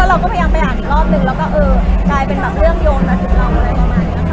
เราก็พยายามไปอ่านอีกรอบนึงแล้วก็ได้เป็นเรื่องโยงมาถึงเรา